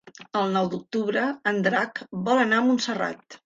El nou d'octubre en Drac vol anar a Montserrat.